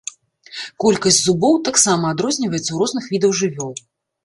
Колькасць зубоў таксама адрозніваецца ў розных відаў жывёл.